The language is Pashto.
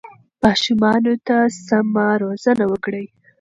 ماشومانو ته سمه روزنه ورکړئ.